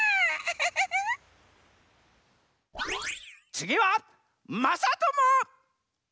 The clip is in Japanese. つぎはまさとも！